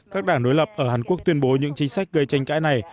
các đảng đối lập ở hàn quốc tuyên bố những chính sách gây tranh cãi này